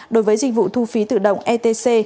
đối với dịch vụ thu phí tự động etc